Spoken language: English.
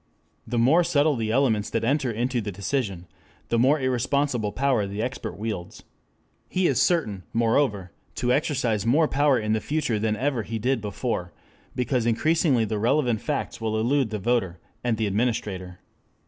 The more subtle the elements that enter into the decision, the more irresponsible power the expert wields. He is certain, moreover, to exercise more power in the future than ever he did before, because increasingly the relevant facts will elude the voter and the administrator.